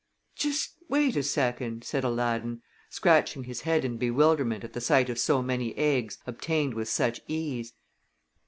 "Just wait a second," said Aladdin, scratching his head in bewilderment at the sight of so many eggs obtained with such ease.